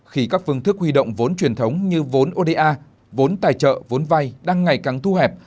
khi các phương thức huy động vốn truyền thống như vốn oda vốn tài trợ vốn vay đang ngày càng thu hẹp